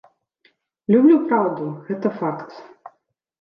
Люблю праўду, гэта факт.